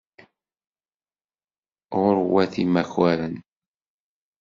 Γurwat imakaren.